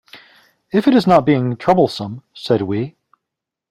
"If it is not being troublesome," said we.